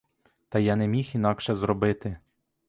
Та я не міг інакше зробити.